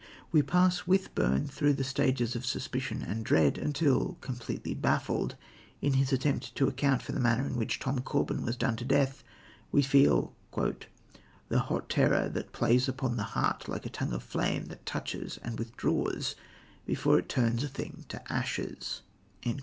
We pass with Byrne through the different stages of suspicion and dread until, completely baffled in his attempt to account for the manner in which Tom Corbin was done to death, we feel "the hot terror that plays upon the heart like a tongue of flame that touches and withdraws before it turns a thing to ashes."